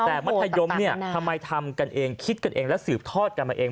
แต่มัธยมทำกันเองคิดกันเองและสืบทอดกันมาเอง